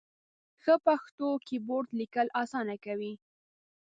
ښه پښتو کېبورډ ، لیکل اسانه کوي.